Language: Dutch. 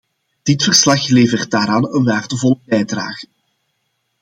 Dit verslag levert daaraan een waardevolle bijdrage.